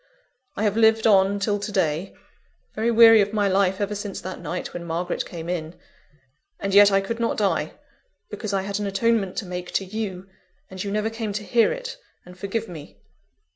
I have lived on till to day, very weary of my life ever since that night when Margaret came in; and yet, I could not die, because I had an atonement to make to you, and you never came to hear it and forgive me.